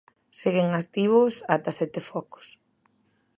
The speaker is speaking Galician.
Seguen activos até sete focos.